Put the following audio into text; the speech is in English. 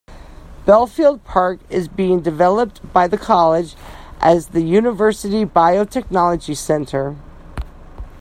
Belfield Park is being developed by the college as the University Biotechnology Centre.